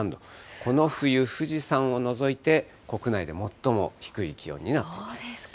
この冬、富士山を除いて、国内で最も低い気温となっています。